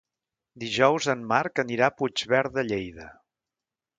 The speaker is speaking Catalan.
Dijous en Marc anirà a Puigverd de Lleida.